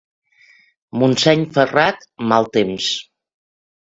Montseny ferrat, mal temps.